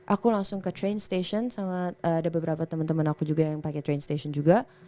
aku langsung ke train station sama ada beberapa teman teman aku juga yang pakai train station juga